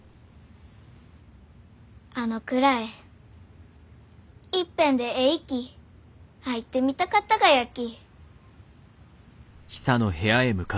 あの蔵へいっぺんでえいき入ってみたかったがやき。